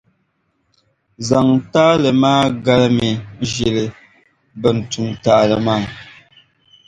zaŋ taali maa galimi ʒili bɛn tum taali maa.